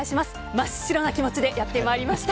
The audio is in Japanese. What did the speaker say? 真っ白な気持ちでやって参りました。